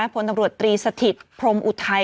พลตำรวจตรีสถิตพรมอุทัย